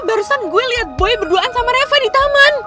barusan gue liat boy berduaan sama reva di taman